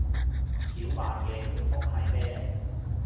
小曼嘅回覆係咩呢